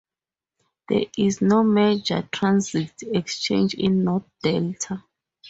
There is no major transit exchange in North Delta.